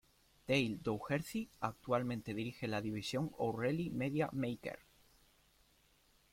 Dale Dougherty actualmente dirige la división O'Reilly Media Maker.